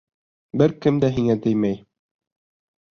Бер кем дә һиңә теймәй!